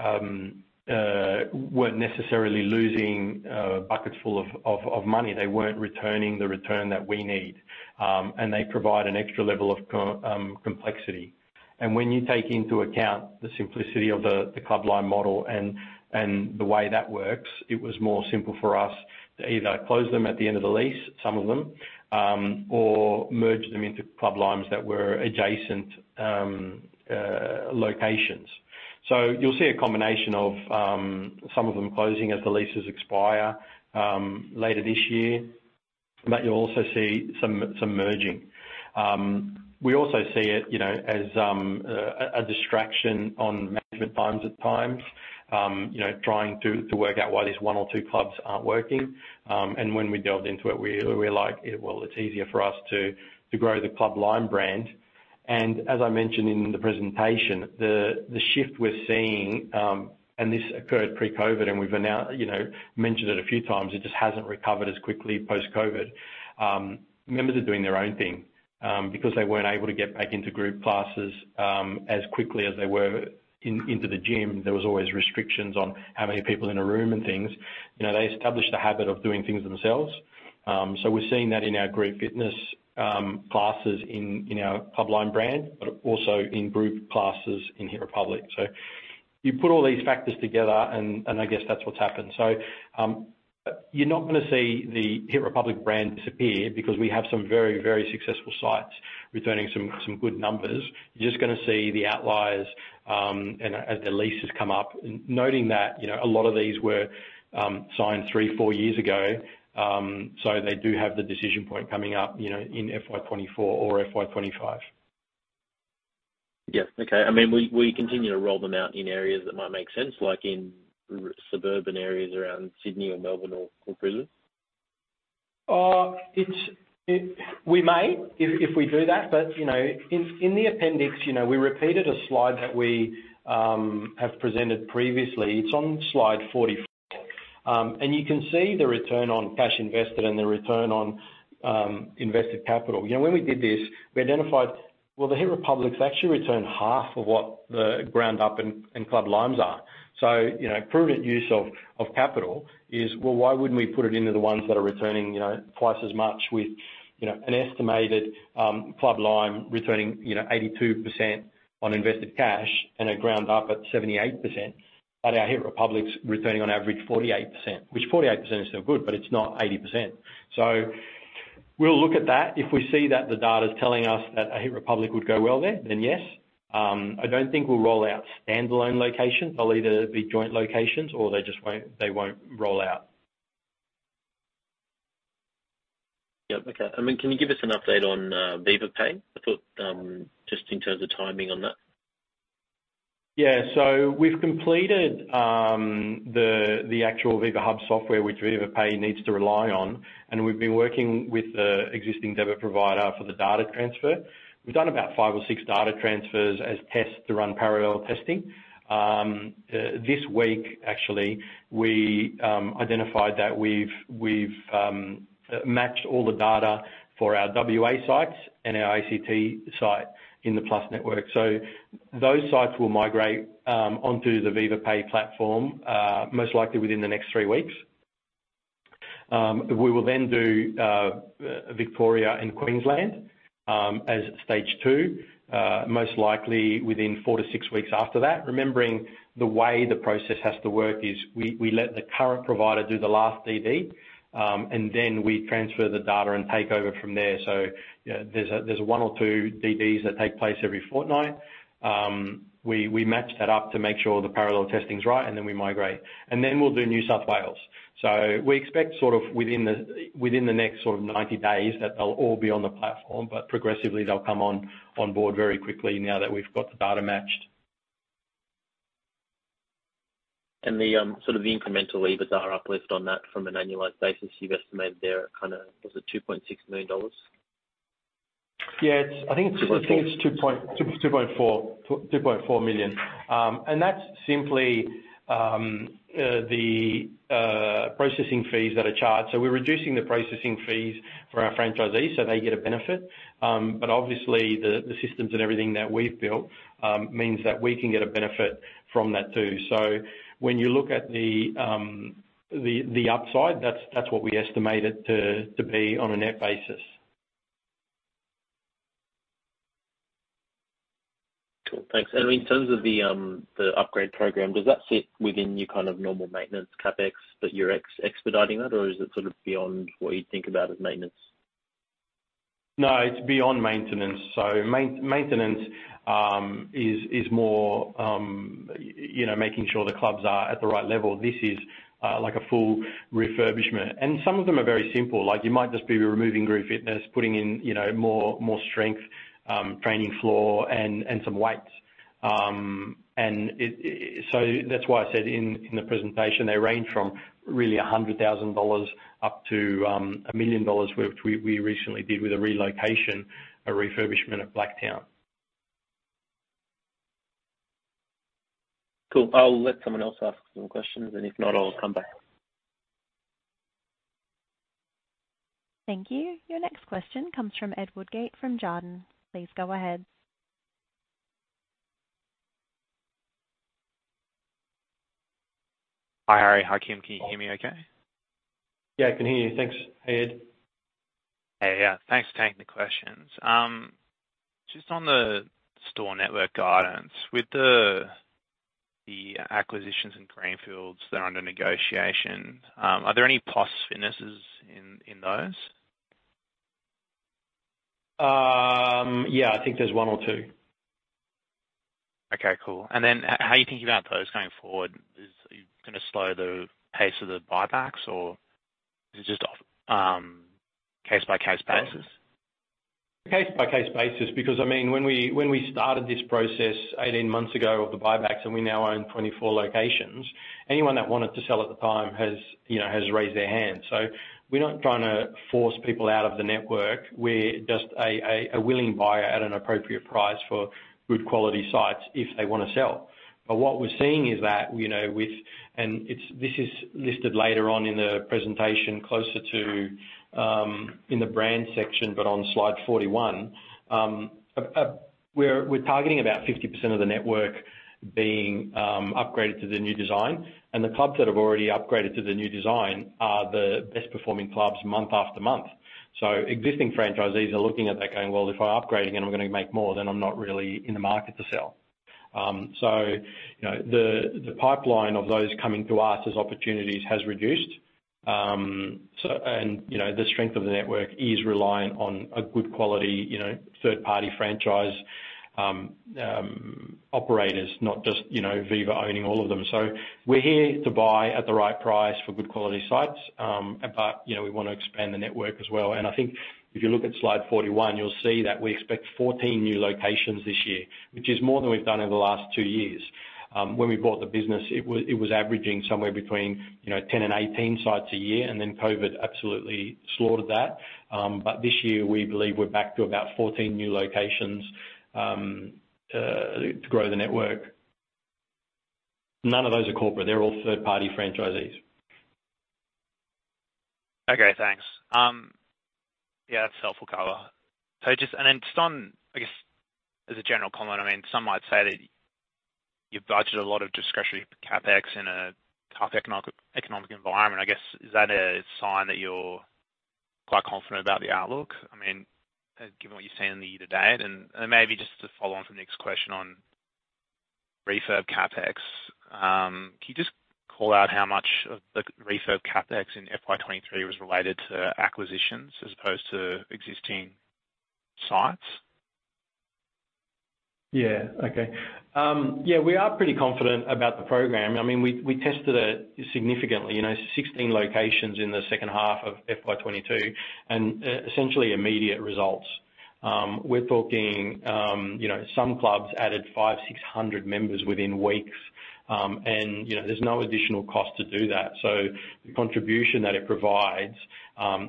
weren't necessarily losing buckets full of money, they weren't returning the return that we need. They provide an extra level of complexity. When you take into account the simplicity of the Club Lime model and the way that works, it was more simple for us to either close them at the end of the lease, some of them, or merge them into Club Limes that were adjacent locations. You'll see a combination of some of them closing as the leases expire later this year, but you'll also see some, some merging. We also see it, you know, as a distraction on management times at times, you know, trying to work out why these one or two clubs aren't working. When we delved into it, we were like, "Well, it's easier for us to grow the Club Lime brand." As I mentioned in the presentation, the shift we're seeing, and this occurred pre-COVID, and we've you know, mentioned it a few times, it just hasn't recovered as quickly post-COVID. Members are doing their own thing, because they weren't able to get back into group classes as quickly as they were into the gym. There was always restrictions on how many people in a room and things. You know, they established a habit of doing things themselves. We're seeing that in our Group Fitness classes in our Club Lime brand, but also in group classes in HIIT Republic. You put all these factors together and I guess that's what's happened. You're not going to see the HIIT Republic brand disappear because we have some very, very successful sites returning some good numbers. You're just gonna see the outliers, and as the leases come up, noting that, you know, a lot of these were signed three, four years ago, so they do have the decision point coming up, you know, in FY 2024 or FY 2025. Yeah. Okay. I mean, will you, will you continue to roll them out in areas that might make sense, like in suburban areas around Sydney or Melbourne or, or Brisbane? We may, if, if we do that, but, you know, in, in the appendix, you know, we repeated a slide that we have presented previously. It's on slide 44. And you can see the return on cash invested and the return on invested capital. You know, when we did this, we identified, well, the HIIT Republics actually return 0.5 of what the GroundUp and Club Limes are. You know, prudent use of capital is, well, why wouldn't we put it into the ones that are returning, you know, 2x as much with, you know, an estimated Club Lime returning, you know, 82% on invested cash and a GroundUp at 78%, but our HIIT Republic's returning on average 48%. Which 48% is still good, but it's not 80%. We'll look at that. If we see that the data's telling us that a HIIT Republic would go well there, then yes. I don't think we'll roll out standalone locations. They'll either be joint locations or they just won't, they won't roll out. Yep. Okay. I mean, can you give us an update on Viva Pay? I thought, just in terms of timing on that. Yeah. We've completed the actual Viva Hub software, which Viva Pay needs to rely on, and we've been working with the existing debit provider for the data transfer. We've done about five or six data transfers as tests to run parallel testing. This week, actually, we identified that we've, we've matched all the data for our WA sites and our ACT site in the Plus network. Those sites will migrate onto the Viva Pay platform most likely within the next three weeks. We will then do Victoria and Queensland as stage two most likely within 4-6 weeks after that. Remembering the way the process has to work is we, we let the current provider do the last DD, and then we transfer the data and take over from there. You know, there's a, there's one or two DDs that take place every fortnight. We, we match that up to make sure the parallel testing's right, and then we migrate. Then we'll do New South Wales. We expect sort of within the, within the next sort of 90 days, that they'll all be on the platform, but progressively they'll come on, on board very quickly now that we've got the data matched. The, sort of the incremental EBITDA uplift on that from an annualized basis, you've estimated there at kind of, was it 2.6 million dollars? Yeah, it's I think it's two point. 2.4. AUD 2.4 million. That's simply the processing fees that are charged. We're reducing the processing fees for our franchisees, so they get a benefit. Obviously, the systems and everything that we've built means that we can get a benefit from that, too. When you look at the upside, that's what we estimate it to be on a net basis. Cool. Thanks. In terms of the upgrade program, does that sit within your kind of normal maintenance CapEx, but you're expediting that, or is it sort of beyond what you'd think about as maintenance? No, it's beyond maintenance. Maintenance is more, you know, making sure the clubs are at the right level. This is like a full refurbishment. Some of them are very simple. Like, you might just be removing Group Fitness, putting in, you know, more, more strength training floor and some weights. That's why I said in the presentation, they range from really 100,000 dollars up to 1 million dollars, which we recently did with a relocation, a refurbishment at Blacktown. Cool. I'll let someone else ask some questions, and if not, I'll come back. Thank you. Your next question comes from Ed Woodgate, from Jarden. Please go ahead. Hi, Harry. Hi, Kym. Can you hear me okay? Yeah, I can hear you. Thanks. Hey, Ed. Hey. Yeah, thanks for taking the questions. Just on the store network guidance, with the, the acquisitions in greenfields that are under negotiation, are there any Plus Fitness in, in those? Yeah, I think there's one or two. Okay, cool. Then how are you thinking about those going forward? Is it gonna slow the pace of the buybacks, or is it just off, case-by-case basis? Case-by-case basis, because, I mean, when we, when we started this process 18 months ago of the buybacks, and we now own 24 locations, anyone that wanted to sell at the time has, you know, has raised their hand. We're not trying to force people out of the network. We're just a, a, a willing buyer at an appropriate price for good quality sites if they want to sell. What we're seeing is that, you know, this is listed later on in the presentation, closer to in the brand section, but on slide 41. We're, we're targeting about 50% of the network being upgraded to the new design, and the clubs that have already upgraded to the new design are the best performing clubs month after month. Existing franchisees are looking at that going, "Well, if I upgrade again, I'm gonna make more, then I'm not really in the market to sell." You know, the pipeline of those coming to us as opportunities has reduced. You know, the strength of the network is reliant on a good quality, you know, third-party franchise operators, not just, you know, Viva owning all of them. We're here to buy at the right price for good quality sites, but, you know, we want to expand the network as well. I think if you look at slide 41, you'll see that we expect 14 new locations this year, which is more than we've done over the last two years. When we bought the business, it was, it was averaging somewhere between, you know, 10 and 18 sites a year, and then COVID absolutely slaughtered that. This year we believe we're back to about 14 new locations to grow the network. None of those are corporate. They're all third-party franchisees. Okay, thanks. yeah, that's helpful, Carla. Just, and then just on, I guess, as a general comment, I mean, some might say that you've budgeted a lot of discretionary CapEx in a tough economic, economic environment. I guess, is that a sign that you're quite confident about the outlook? I mean, given what you've seen in the year to date, and, and maybe just to follow on from Nick's question on refurb CapEx, can you just call out how much of the refurb CapEx in FY 2023 was related to acquisitions as opposed to existing sites? Yeah. Okay. Yeah, we are pretty confident about the program. I mean, we, we tested it significantly, you know, 16 locations in the second half of FY 2022, and essentially immediate results. We're talking, you know, some clubs added 500, 600 members within weeks, and, you know, there's no additional cost to do that. The contribution that it provides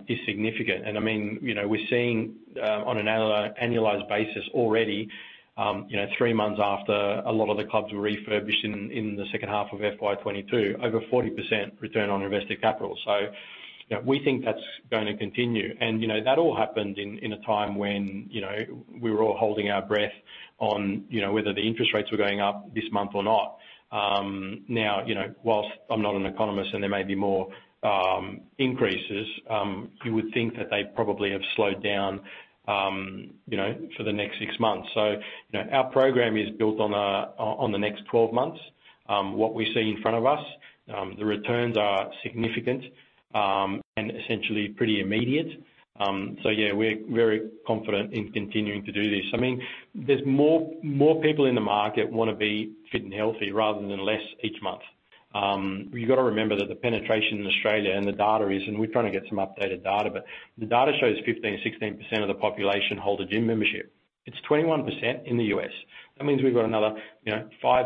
is significant. I mean, you know, we're seeing on an annualized basis already, you know, three months after a lot of the clubs were refurbished in the second half of FY 2022, over 40% return on invested capital. You know, we think that's going to continue. You know, that all happened in, in a time when, you know, we were all holding our breath on, you know, whether the interest rates were going up this month or not. Now, you know, whilst I'm not an economist and there may be more increases, you would think that they probably have slowed down, you know, for the next six months. You know, our program is built on a, on, on the next 12 months. What we see in front of us, the returns are significant and essentially pretty immediate. So yeah, we're very confident in continuing to do this. I mean, there's more, more people in the market wanna be fit and healthy rather than less each month. You've got to remember that the penetration in Australia and the data is, and we're trying to get some updated data, but the data shows 15%, 16% of the population hold a gym membership. It's 21% in the US. That means we've got another, you know, 5%,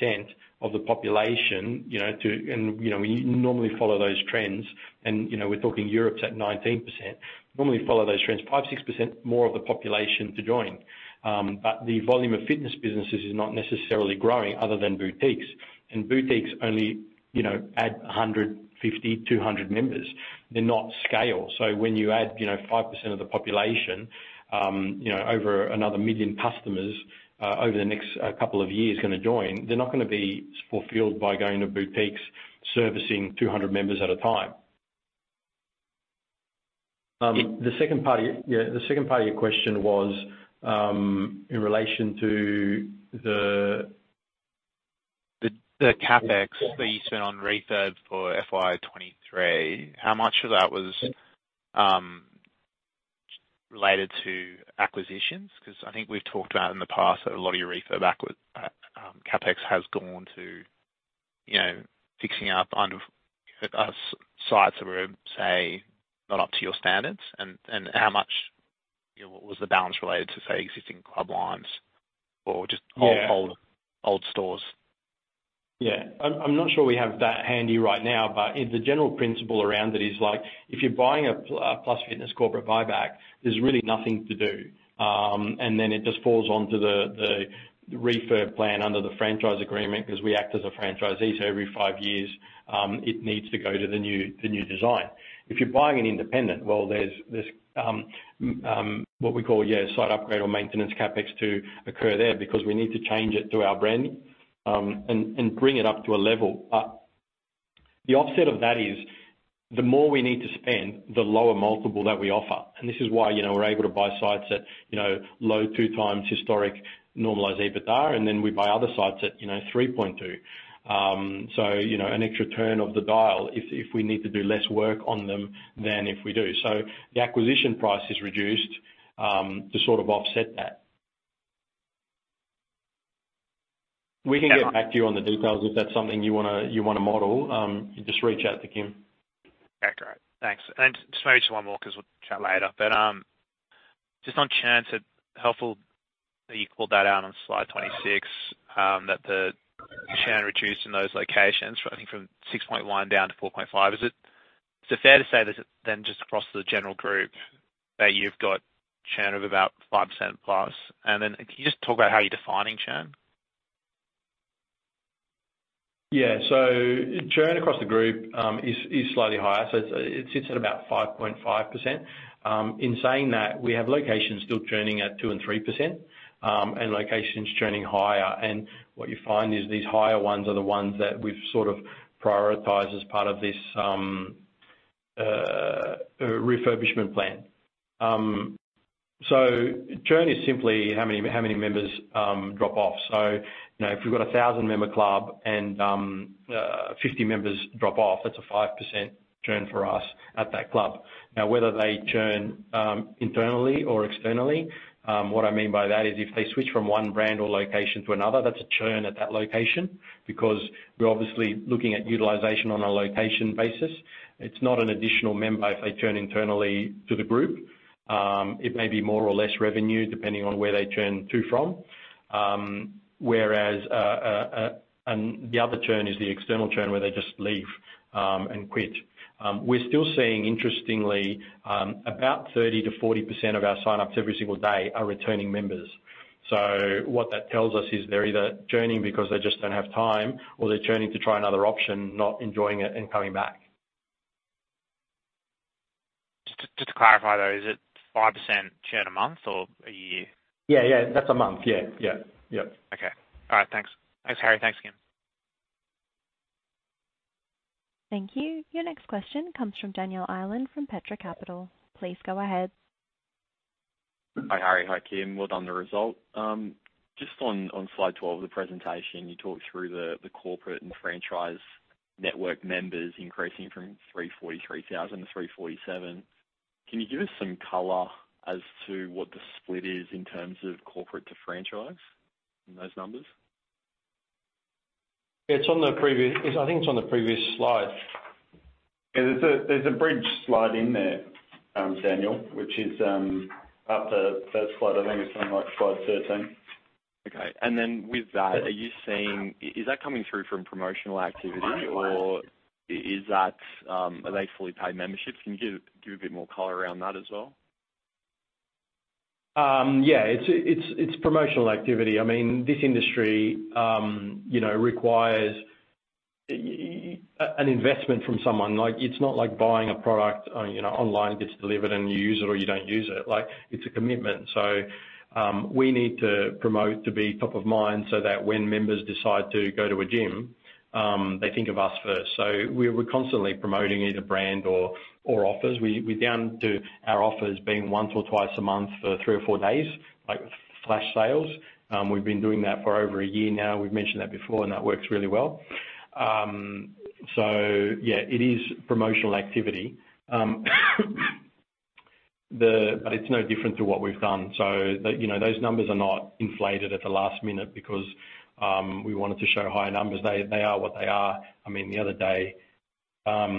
6% of the population, you know, to and, you know, we normally follow those trends, and, you know, we're talking Europe's at 19%. We normally follow those trends, 5%, 6% more of the population to join. The volume of fitness businesses is not necessarily growing other than boutiques, and boutiques only, you know, add 150, 200 members. They're not scale. When you add, you know, 5% of the population, you know, over another 1 million customers, over the next two years, gonna join, they're not gonna be fulfilled by going to boutiques servicing 200 members at a time. The second part of your... Yeah, the second part of your question was, in relation to the- The, the CapEx that you spent on refurb for FY 2023, how much of that was related to acquisitions? Because I think we've talked about in the past that a lot of your refurb acqui- CapEx has gone to, you know, fixing up under, sites that were, say, not up to your standards, and, and how much, you know, was the balance related to, say, existing Club Lime or just old- Yeah. Old stores? Yeah. I'm, I'm not sure we have that handy right now, but the general principle around it is like, if you're buying a Pl- a Plus Fitness corporate buyback, there's really nothing to do. Then it just falls onto the, the refurb plan under the franchise agreement because we act as a franchisee. Every five years, it needs to go to the new, the new design. If you're buying an independent, well, there's, there's, what we call, yeah, site upgrade or maintenance CapEx to occur there because we need to change it to our branding, and, and bring it up to a level. The offset of that is, the more we need to spend, the lower multiple that we offer. This is why, you know, we're able to buy sites at, you know, low two times historic normalized EBITDA, and then we buy other sites at, you know, 3.2. You know, an extra turn of the dial if, if we need to do less work on them than if we do. The acquisition price is reduced to sort of offset that. We can get back to you on the details if that's something you wanna, you wanna model. Just reach out to Kym. Okay, great. Thanks. Just maybe just one more because we'll chat later. Just on churn, it's helpful that you called that out on slide 26, that the churn reduced in those locations from, I think, from 6.1 down to 4.5. Is it, is it fair to say that then just across the general group, that you've got churn of about 5% plus? Then can you just talk about how you're defining churn? Yeah. So churn across the group is, is slightly higher, so it, it sits at about 5.5%. In saying that, we have locations still churning at 2% and 3%, and locations churning higher. What you find is these higher ones are the ones that we've sort of prioritized as part of this refurbishment plan. So churn is simply how many, how many members drop off. So you know, if we've got a 1,000-member club and 50 members drop off, that's a 5% churn for us at that club. Now, whether they churn internally or externally, what I mean by that is if they switch from one brand or location to another, that's a churn at that location because we're obviously looking at utilization on a location basis. It's not an additional member if they churn internally to the group. It may be more or less revenue, depending on where they churn to, from. Whereas, and the other churn is the external churn, where they just leave and quit. We're still seeing, interestingly, about 30%-40% of our signups every single day are returning members. What that tells us is they're either churning because they just don't have time, or they're churning to try another option, not enjoying it and coming back. Just to clarify, though, is it 5% churn a month or a year? Yeah, yeah, that's a month. Yeah. Yeah. Yep. Okay. All right. Thanks. Thanks, Harry. Thanks, Kym. Thank you. Your next question comes from Daniel Ireland, from Petra Capital. Please go ahead. Hi, Harry. Hi, Kym. Well done, the result. Just on slide 12 of the presentation, you talked through the corporate and franchise network members increasing from 343,000 to 347. Can you give us some color as to what the split is in terms of corporate to franchise in those numbers? It's on the previous-- I think it's on the previous slide. Yeah, there's a, there's a bridge slide in there, Daniel, which is after the first slide. I think it's on, like, slide 13. Okay. Then with that, are you seeing... Is that coming through from promotional activity or is that, are they fully paid memberships? Can you give, give a bit more color around that as well? Yeah, it's, it's, it's promotional activity. I mean, this industry, you know, requires an investment from someone. Like, it's not like buying a product, you know, online, gets delivered, and you use it or you don't use it. Like, it's a commitment. We need to promote to be top of mind so that when members decide to go to a gym, they think of us first. We're, we're constantly promoting either brand or, or offers. We, we're down to our offers being once or twice a month for three or four days, like flash sales. We've been doing that for over a year now. We've mentioned that before, and that works really well. Yeah, it is promotional activity. But it's no different to what we've done. The, you know, those numbers are not inflated at the last minute because we wanted to show higher numbers. They, they are what they are. I mean, the other day, Well,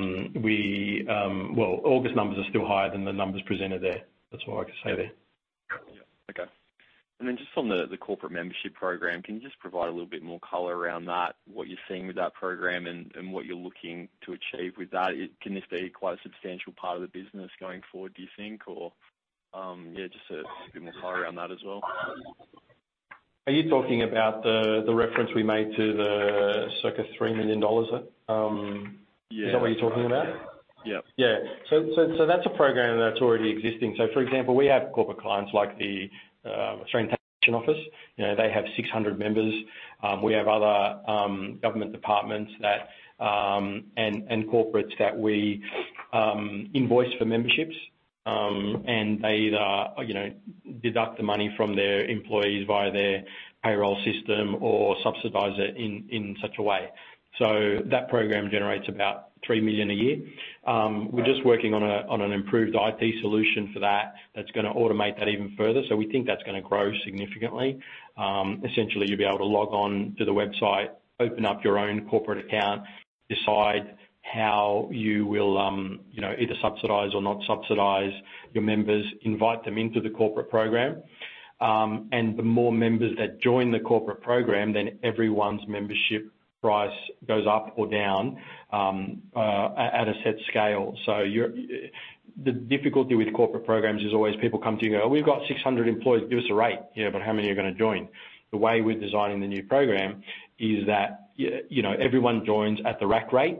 August numbers are still higher than the numbers presented there. That's all I can say there. Yeah. Okay. Just on the, the corporate membership program, can you just provide a little bit more color around that, what you're seeing with that program and, and what you're looking to achieve with that? Can this be quite a substantial part of the business going forward, do you think? Or, yeah, just a, a bit more color around that as well. Are you talking about the, the reference we made to the circa 3 million dollars? Yeah. Is that what you're talking about? Yeah. Yeah. That's a program that's already existing. For example, we have corporate clients like the Australian Taxation Office. You know, they have 600 members. We have other government departments that and corporates that we invoice for memberships. They either, you know, deduct the money from their employees via their payroll system or subsidize it in such a way. That program generates about 3 million a year. We're just working on an improved IT solution for that. That's gonna automate that even further, so we think that's gonna grow significantly. Essentially, you'll be able to log on to the website, open up your own corporate account, decide how you will, you know, either subsidize or not subsidize your members, invite them into the corporate program. The more members that join the corporate program, then everyone's membership price goes up or down, at a set scale. The difficulty with corporate programs is always people come to you, "Oh, we've got 600 employees. Give us a rate." Yeah, but how many are gonna join? The way we're designing the new program is that, you know, everyone joins at the rack rate.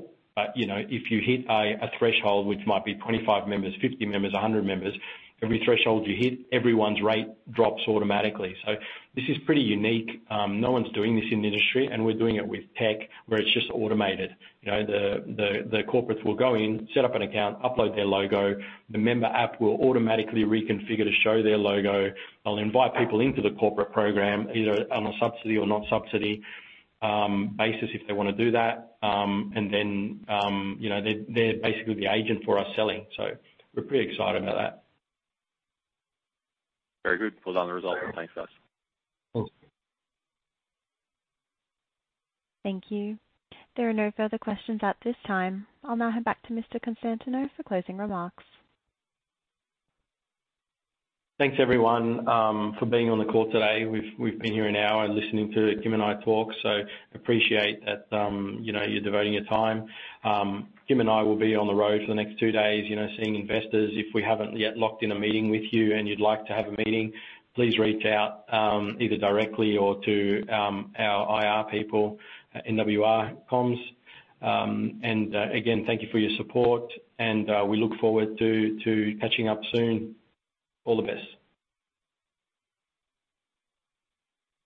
You know, if you hit a threshold, which might be 25 members, 50 members, 100 members, every threshold you hit, everyone's rate drops automatically. This is pretty unique. No one's doing this in the industry, and we're doing it with tech, where it's just automated. You know, the corporates will go in, set up an account, upload their logo. The member app will automatically reconfigure to show their logo. They'll invite people into the corporate program, either on a subsidy or non-subsidy basis, if they want to do that. You know, they, they're basically the agent for us selling. We're pretty excited about that. Very good. Well done, the result. Thanks, guys. Cool. Thank you. There are no further questions at this time. I'll now hand back to Mr. Konstantinou for closing remarks. Thanks, everyone, for being on the call today. We've, we've been here an hour listening to Kym and I talk, so appreciate that, you know, you're devoting your time. Kym and I will be on the road for the next two days, you know, seeing investors. If we haven't yet locked in a meeting with you and you'd like to have a meeting, please reach out, either directly or to our IR people at NWR Communications. Again, thank you for your support, and we look forward to, to catching up soon. All the best.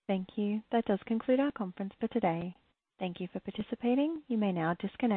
Thank you. That does conclude our conference for today. Thank you for participating. You may now disconnect.